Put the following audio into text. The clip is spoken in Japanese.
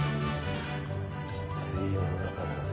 きつい世の中だぜ。